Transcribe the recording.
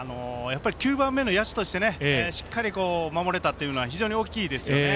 ９番目の野手としてしっかり守れたのは非常に大きいですよね。